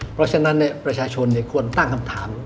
เพราะฉะนั้นประชาชนควรตั้งคำถาม